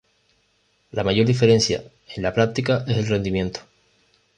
La mayor diferencia en la práctica es el rendimiento.